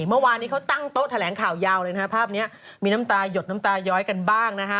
เมื่อวานนี้เขาตั้งโต๊ะแถลงข่าวยาวเลยนะฮะภาพนี้มีน้ำตายดน้ำตาย้อยกันบ้างนะฮะ